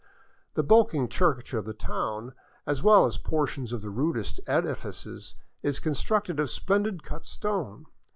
The bulking church of the town, as well as portions of the rudest edifices, is constructed of splendid cut stone.